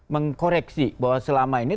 mengkoreksi bahwa selama ini